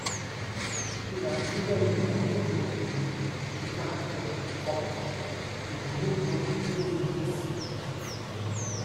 Il a également développé des caractères propres et de nombreux néologismes.